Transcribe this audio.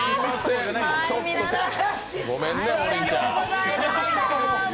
ごめんね、王林ちゃん。